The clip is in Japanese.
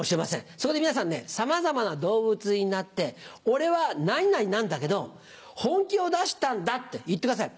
そこで皆さんねさまざまな動物になって「俺は何々なんだけど本気を出したんだ」って言ってください。